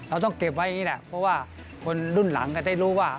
เราต้องเก็บไว้อย่างนี้แหละเพราะว่าคนรุ่นหลังก็ได้รู้ว่า